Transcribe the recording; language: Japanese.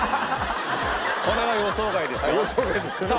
それは予想外ですよさあ